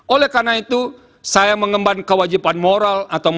oleh karena itu saya mengembangkan kewajiban moral atau kewajiban ekonomi